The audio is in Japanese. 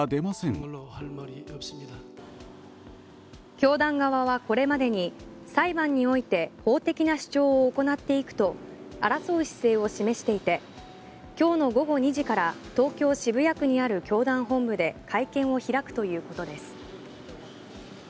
教団側はこれまでに裁判において法的な主張を行っていくと争う姿勢を示していて今日の午後２時から東京・渋谷区にある教団本部で会見を開くということです。